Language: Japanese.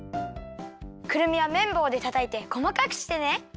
くるみはめんぼうでたたいてこまかくしてね。